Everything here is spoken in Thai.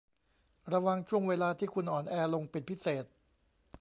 ระวังช่วงเวลาที่คุณอ่อนแอลงเป็นพิเศษ